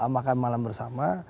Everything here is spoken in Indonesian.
makan malam bersama